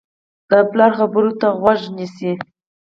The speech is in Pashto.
د پلار خبرو ته غوږ نیسي.